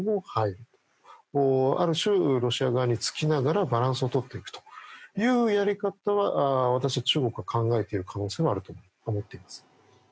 ある種ロシア側につきながらバランスを取っていくというやり方は私は中国は考えている可能性はあると思っています。